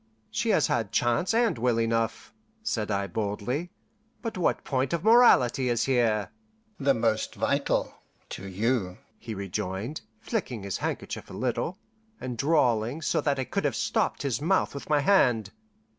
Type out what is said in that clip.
"She has had chance and will enough," said I boldly, "but what point of morality is here?" "The most vital to you," he rejoined, flicking his handkerchief a little, and drawling so that I could have stopped his mouth with my hand.